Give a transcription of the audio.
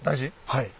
はい。